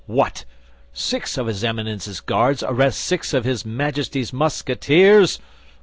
"What! Six of his Eminence's Guards arrest six of his Majesty's Musketeers!